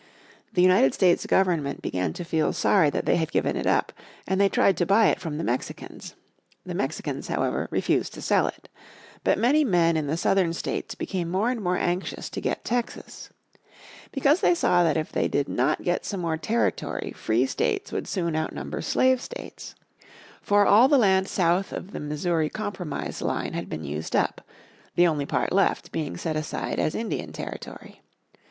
The United States Government began to feel sorry that they had given it up, and they tried to buy it from the Mexicans. The Mexicans, however, refused to sell it. But many men in the southern states became more and more anxious to get Texas. Because they saw that if they did not get some more territory free states would soon outnumber slave states. For all the land south of the Missouri Compromise line had been used up, the only part left being set aside as Indian Territory.